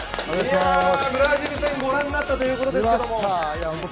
ブラジル戦、ご覧になったということですけれども。